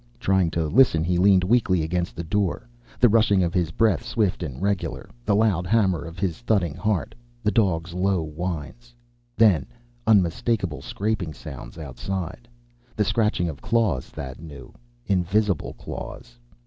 Trying to listen, he leaned weakly against the door. The rushing of his breath, swift and regular. The loud hammer of his thudding heart. The dog's low whines. Then unmistakable scraping sounds, outside. The scratching of claws, Thad knew. Invisible claws!